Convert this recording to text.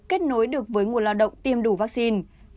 kết nối được với nguồn lao động tiêm đủ vaccine